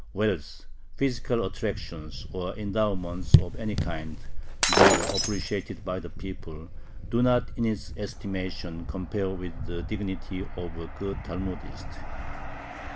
Wealth, physical attractions, or endowments of any kind, though appreciated by the people, do not, in its estimation, compare with the dignity of a good Talmudist.